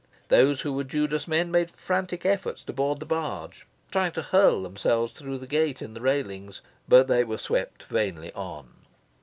Those who were Judas men made frantic efforts to board the barge, trying to hurl themselves through the gate in the railings; but they were swept vainly on.